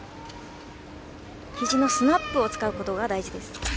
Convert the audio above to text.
ひじのスナップを使うことが大事です。